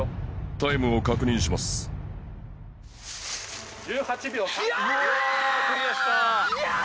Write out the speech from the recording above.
タイムを確認しますやー！